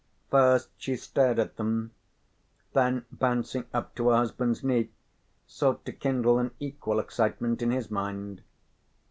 First she stared at them, then bouncing up to her husband's knee sought to kindle an equal excitement in his mind.